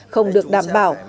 không được đảm bảo